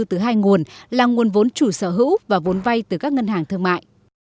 từ hai nguồn là nguồn vốn chủ sở hữu và vốn vay từ các ngân hàng thương mại